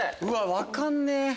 分かんねえ。